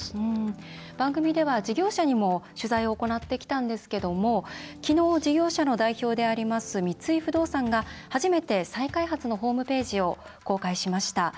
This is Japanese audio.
番組では事業者にも取材を行ってきたんですけどもきのう事業者の代表であります三井不動産が、初めて再開発のホームページを公開しました。